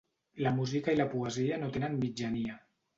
La música i la poesia no tenen mitjania.